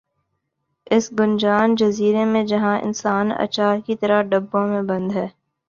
اس گنجان جزیر ے میں جہاں انسان اچار کی طرح ڈبوں میں بند ہے